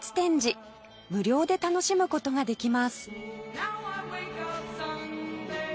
無料で楽しむ事ができます